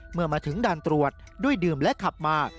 เมื่อมาถึงด่านตรวจด้วยดื่มและขับมา